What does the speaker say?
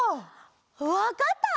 わかった！